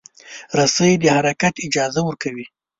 رسۍ د حرکت اجازه ورکوي.